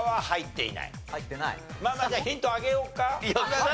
まあまあじゃあヒントあげようか。